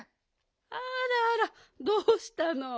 あらあらどうしたの？